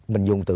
bình dung tự